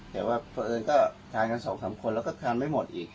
แต่ว่าคนอื่นก็ทานกัน๒๓คนแล้วก็ทานไม่หมดอีก